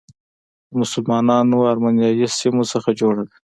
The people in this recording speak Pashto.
د مسلمانو او ارمنیایي سیمو څخه جوړه ده.